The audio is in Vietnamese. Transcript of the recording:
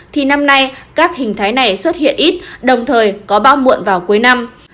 thì năm nay các hình thái này xuất hiện ít đồng thời có bao muộn vào cuối năm